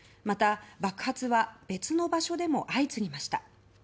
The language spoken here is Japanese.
また爆発は別の場所でも相次ぎました。